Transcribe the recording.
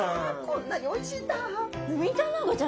こんなにおいしいんだ！